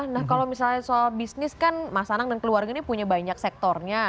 nah kalau misalnya soal bisnis kan mas anang dan keluarga ini punya banyak sektornya